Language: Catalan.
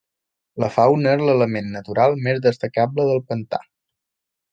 La fauna és l'element natural més destacable del pantà.